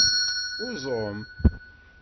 Uẓum.